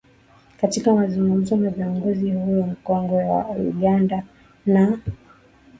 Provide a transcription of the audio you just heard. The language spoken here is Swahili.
katika mazungumzo na kiongozi huyo mkongwe wa Uganda na